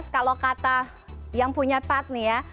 kalau kata yang punya pat nih ya